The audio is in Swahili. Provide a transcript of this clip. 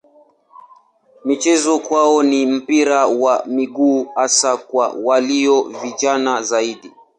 Michezo kwao ni mpira wa miguu hasa kwa walio vijana zaidi.